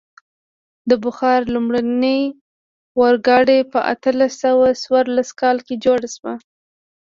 د بخار لومړنی اورګاډی په اتلس سوه څلور کال کې جوړ شو.